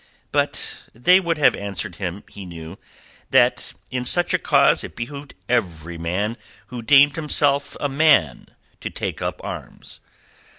But they would have answered him, he knew, that in such a cause it behoved every man who deemed himself a man to take up arms.